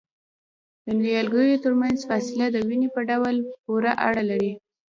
د نیالګیو ترمنځ فاصله د ونې په ډول پورې اړه لري؟